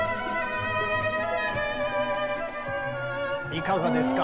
いかがですか？